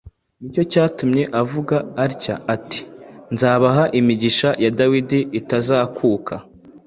ni cyo cyatumye avuga atya ati, ‘Nzabaha imigisha ya Dawidi itazakuka.